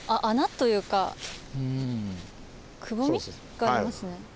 穴というかくぼみ？がありますね。